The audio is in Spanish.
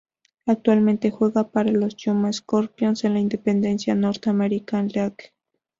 Actualmente juega para los Yuma Scorpions en la independiente North American League.